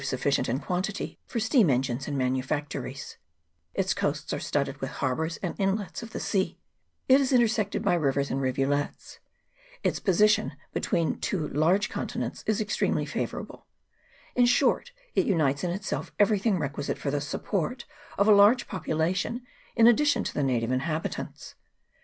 sufficient in quantity for steam engines and manu factories; its coasts are studded with harbours and inlets of the sea ; it is intersected by rivers and rivulets ; its position between two large continents is extremely favourable ; in short, it unites in itself everything requisite for the support of a large po pulation in addition to the native inhabitants.